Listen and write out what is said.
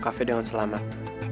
tante jangan selamat